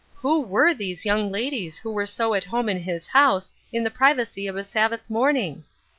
Who were these young ladies who were so at home in liis house in the privacy of a Sab bath morning?